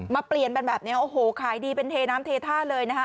เปลี่ยนเป็นแบบนี้โอ้โหขายดีเป็นเทน้ำเทท่าเลยนะคะ